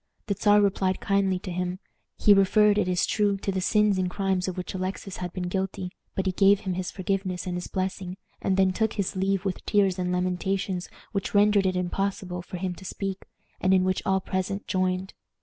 The Czar replied kindly to him. He referred, it is true, to the sins and crimes of which Alexis had been guilty, but he gave him his forgiveness and his blessing, and then took his leave with tears and lamentations which rendered it impossible for him to speak, and in which all present joined.